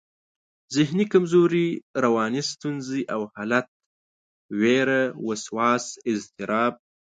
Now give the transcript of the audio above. ذهني کمزوري، رواني ستونزې او حالت، وېره، وسواس، اضطراب